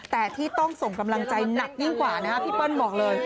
แต่ที่ต้องส่งกำลังใจหนักยิ่งกว่านะฮะพี่เปิ้ลบอกเลย